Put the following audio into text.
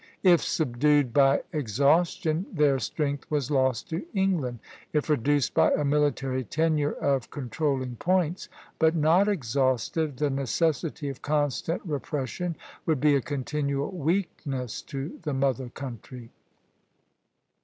If subdued by exhaustion, their strength was lost to England; if reduced by a military tenure of controlling points, but not exhausted, the necessity of constant repression would be a continual weakness to the mother country.